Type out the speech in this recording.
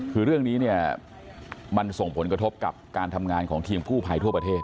คือเรื่องนี้เนี่ยมันส่งผลกระทบกับการทำงานของทีมกู้ภัยทั่วประเทศ